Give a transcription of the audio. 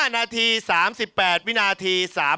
๕นาที๓๘วินาที